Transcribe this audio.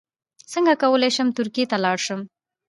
څنګه کولی شم ترکیې ته لاړ شم